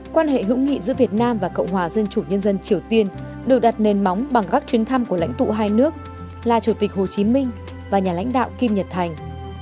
quan hệ hữu nghị giữa việt nam và cộng hòa dân chủ nhân dân triều tiên được đặt nền móng bằng các chuyến thăm của lãnh tụ hai nước là chủ tịch hồ chí minh và nhà lãnh đạo kim nhật thành